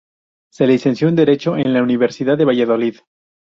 Se licenció en Derecho en la Universidad de Valladolid.